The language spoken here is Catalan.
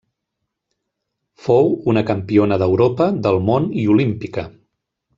Fou una campiona d'Europa, del món i olímpica.